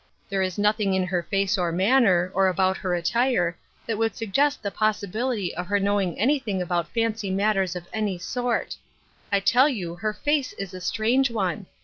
There is nothing in her face oi 82 Ruth Urskines Crosses. manner, or about her attire, that would suggxist the possibility of her knowing anything about fancy matters of any soit. I tell you her face is a strange one.